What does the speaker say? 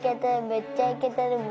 めっちゃイケてる。